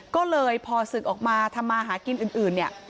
ก็เลยพอศึกออกมาทำมาหากินอื่นเนี่ย